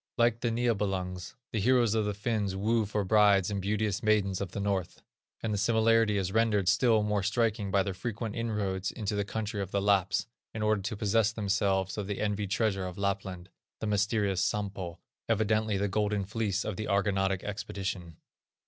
Like the Niebelungs, the heroes of the Finns woo for brides the beauteous maidens of the North; and the similarity is rendered still more striking by their frequent inroads into the country of the Lapps, in order to possess themselves of the envied treasure of Lapland, the mysterious Sampo, evidently the Golden Fleece of the Argonautic expedition.